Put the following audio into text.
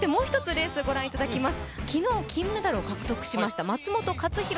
レースをご覧いただきます。